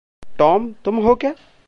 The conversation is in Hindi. टॉम, तुम हो क्या?